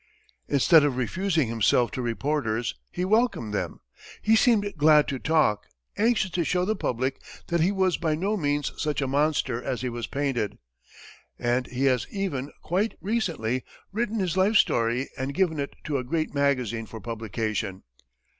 Instead of refusing himself to reporters, he welcomed them; he seemed glad to talk, anxious to show the public that he was by no means such a monster as he was painted; and he has even, quite recently, written his life story and given it to a great magazine for publication.